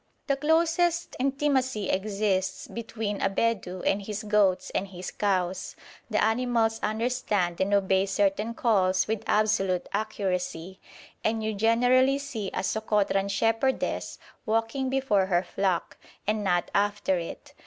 The closest intimacy exists between a Bedou and his goats and his cows; the animals understand and obey certain calls with absolute accuracy, and you generally see a Sokotran shepherdess walking before her flock, and not after it.